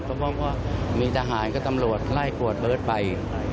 เพราะว่ามีทหารกับตำรวจไล่กวดเบิร์ตไป